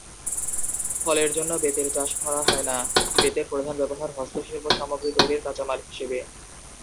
ফলের জন্য বেতের চাষ করা হয়না; বেতের প্রধান ব্যবহার হস্তশিল্প সামগ্রী তৈরির কাঁচামাল হিসেবে।